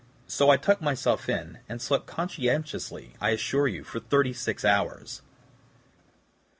So I tucked myself in, and slept conscientiously, I assure you, for thirty six hours."